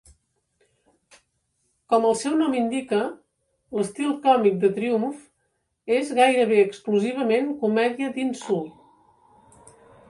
Com el seu nom indica, l'estil còmic de Triumph és gairebé exclusivament comèdia d'insult.